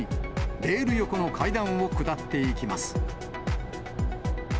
レール横の階段を下っていきます。